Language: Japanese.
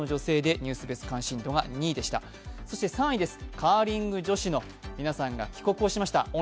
そして３位です、カーリング女子の皆さんが帰国しました。